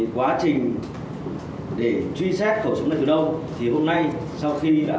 quá trình truy bắt tiêu diệt đối tượng lực lượng công an đã đảm bảo an toàn